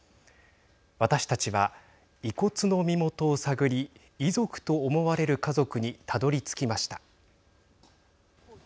私たちは遺骨の身元を探り遺族と思われる家族にたどりつきました。